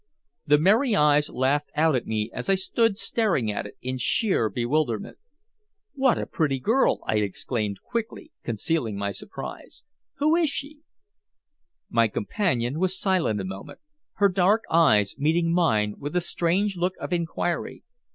The merry eyes laughed out at me as I stood staring at it in sheer bewilderment. "What a pretty girl!" I exclaimed quickly, concealing my surprise. "Who is she?" My companion was silent a moment, her dark eyes meeting mine with a strange look of inquiry.